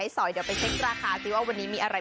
สร้างลึกที่ไม่ได้